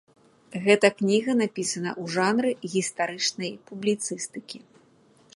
Гэта кніга напісана ў жанры гістарычнай публіцыстыкі.